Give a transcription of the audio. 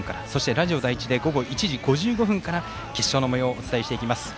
ラジオ第１では午後１時５５分から決勝のもようお伝えしていきます。